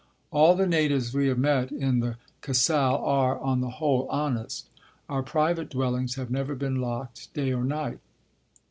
All the natives we have met in the Kasal are, on the whole, honest. Our private dwellings have never been locked day or night.